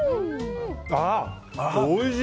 おいしい！